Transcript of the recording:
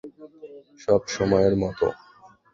সব সময়ের মতো।